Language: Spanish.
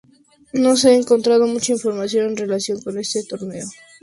No se ha encontrado mucha información en relación con este torneo.